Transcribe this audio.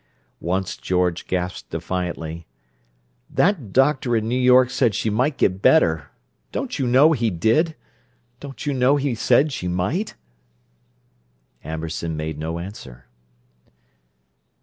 Once George gasped defiantly: "That doctor in New York said she might get better! Don't you know he did? Don't you know he said she might?" Amberson made no answer.